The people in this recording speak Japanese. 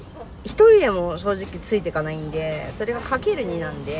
１人でも正直ついていかないんでそれが掛ける２なんで。